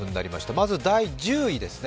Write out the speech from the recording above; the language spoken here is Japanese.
まず第１０位ですね。